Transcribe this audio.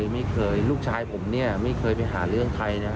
ลูกชายผมเนี่ยไม่เคยไปหาเรื่องใครนะ